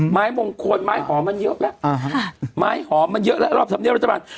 ไม้มงคลไม้หอมมันเยอะแล้วไม้หอมมันเยอะแล้วรอบธรรมเนียบรัฐบาล